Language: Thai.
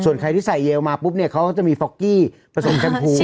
ส่วนใครที่ใส่เยียวมาปุ๊บเนี้ยเขาก็จะมีฟอกกี้ประสงค์กันภูมิ